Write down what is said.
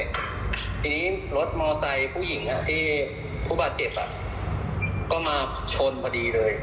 ทีนี้รถมอไซค์ผู้หญิงที่ผู้บาดเจ็บก็มาชนพอดีเลย